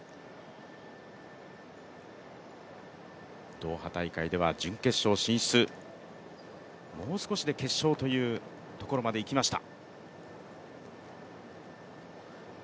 ドーハ大会では準決勝進出、もう少しで決勝というところまでいきました。